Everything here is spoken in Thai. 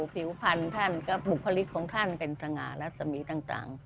ผิวพันธุ์ท่านก็บุคลิกของท่านเป็นสง่ารัศมีต่าง